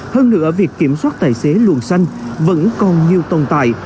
hơn nữa việc kiểm soát tài xế luồn xanh vẫn còn nhiều tồn tại